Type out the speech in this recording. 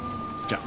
じゃ。